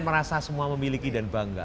merasa semua memiliki dan bangga